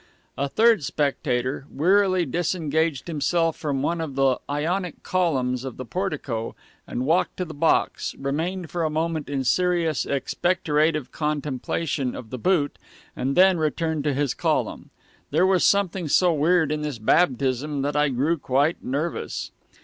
A third spectator wearily disengaged himself from one of the Ionic columns of the portico and walked to the box, remained for a moment in serious and expectorative contemplation of the boot, and then returned to his column. There was something so weird in this baptism that I grew quite nervous.